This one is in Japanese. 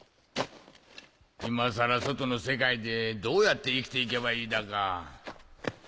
今更外の世界でどうやって生きて行けばいいだか。